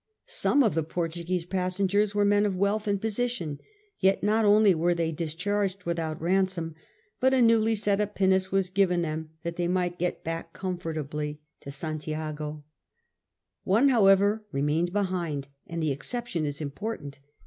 Some of the Portuguese passengers were men of wealth and position; yet not only were they discharged without ransom, but a newly set up pinnace was given them that they might get back comfortably F 66 SIR FRANCIS DRAKE chap. to St. lago. One, however, remained behind, and the J exception is important.